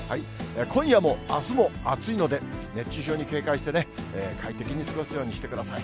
今夜もあすも暑いので、熱中症に警戒してね、快適に過ごすようにしてください。